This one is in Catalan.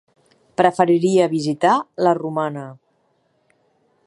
Preferiria visitar la Romana.